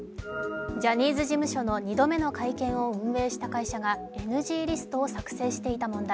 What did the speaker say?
ジャニーズ事務所の２度目の会見を運営した会社がＮＧリストを作成していた問題。